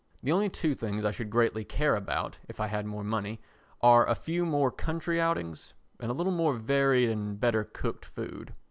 The only two things I should greatly care about if I had more money are a few more country outings and a little more varied and better cooked food.